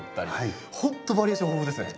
ほんとバリエーション豊富ですね。